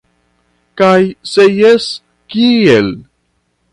Kaj se jes, kiel?